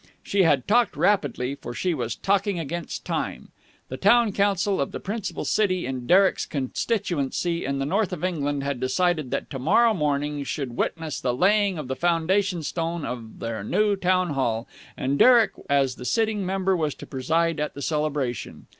She had talked rapidly, for she was talking against time. The Town Council of the principal city in Derek's constituency in the north of England had decided that to morrow morning should witness the laying of the foundation stone of their new Town Hall, and Derek as the sitting member was to preside at the celebration.